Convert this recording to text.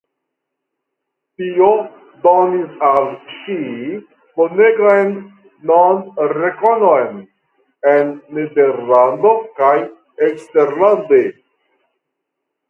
Tio donis al ŝi bonegan nomrekonon en Nederlando kaj eksterlande.